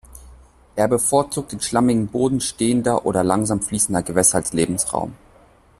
Er bevorzugt den schlammigen Boden stehender oder langsam fließender Gewässer als Lebensraum.